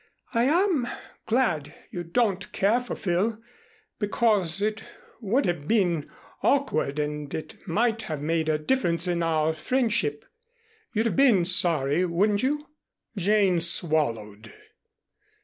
I am glad you don't care for Phil, because it would have been awkward and it might have made a difference in our friendship. You'd have been sorry, wouldn't you?" Jane swallowed.